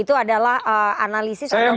itu adalah analisis